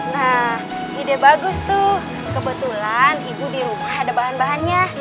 nah ide bagus tuh kebetulan ibu di rumah ada bahan bahannya